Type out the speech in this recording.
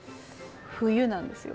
冬なんですよ。